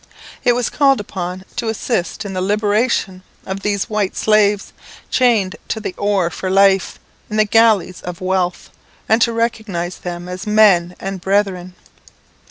It was called upon to assist in the liberation of these white slaves, chained to the oar for life in the galleys of wealth, and to recognize them as men and brethren.